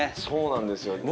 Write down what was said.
そうなんですよ。